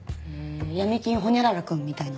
「闇金ホニャララくん」みたいな？